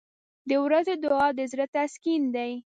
• د ورځې دعا د زړه تسکین دی.